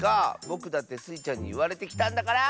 ぼくだってスイちゃんにいわれてきたんだから！